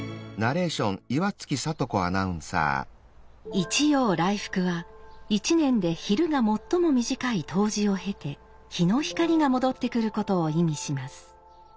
「一陽来復」は１年で昼が最も短い冬至を経て陽の光が戻ってくることを意味します。